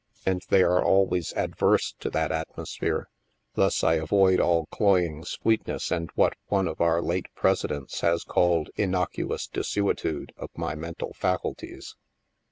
And they are always adverse to that atmosphere. Thus I avoid all cloying sweetness and what one of our late Presidents has called * innocuous desuetude ' of my mental faculties.''